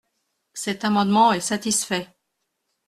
Cet amendement est satisfait.